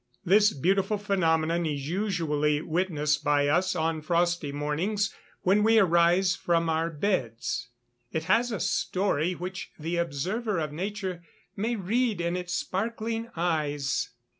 This beautiful phenomenon is usually witnessed by us on frosty mornings when we rise from our beds. It has a story which the observer of nature may read in its sparkling eyes.